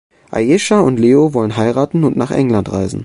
Ayesha und Leo wollen heiraten und nach England reisen.